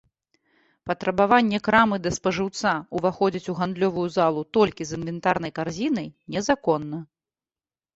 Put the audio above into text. Патрабаванне крамы да спажыўца ўваходзіць у гандлёвую залу толькі з інвентарнай карзінай незаконна.